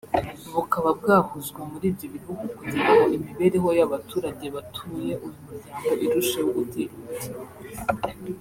bukaba bwahuzwa muri ibyo bihugu kugira ngo imibereho y’abaturage batuye uyu muryango irusheho gutera imbere